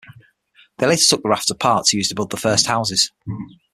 They later took the rafts apart to use to build their first houses.